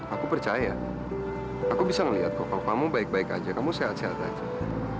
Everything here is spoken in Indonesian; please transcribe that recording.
aku percaya aku bisa ngeliat kok kamu baik baik saja kamu sehat sehat akan